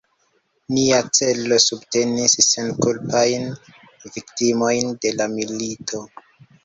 Nia celo: subteni senkulpajn viktimojn de la milito.